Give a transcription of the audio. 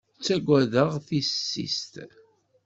Ttagadeɣ tissist!